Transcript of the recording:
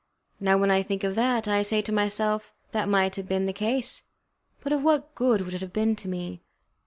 Now, when I think of that, I say to myself, "That might have been the case, but of what good would it have been to me?"